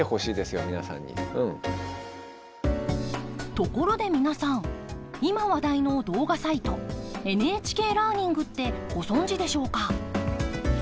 ところで皆さん今話題の動画サイトＮＨＫラーニングってご存じでしょうか？